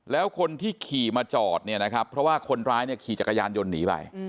แล้วคนที่ขี่มาจอดเนี่ยนะครับเพราะว่าคนร้ายเนี่ยขี่จักรยานยนต์หนีไป